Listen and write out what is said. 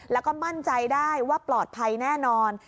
แล้วก็มั่นใจได้ว่าปลอดภัยแน่นอน